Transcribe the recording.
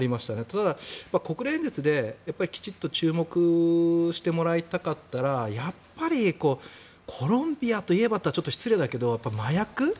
ただ、国連演説できちんと注目してもらいたかったらやはりコロンビアといえばといったらちょっと失礼だけどやっぱり麻薬。